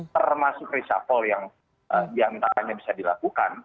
termasuk reshuffle yang tak hanya bisa dilakukan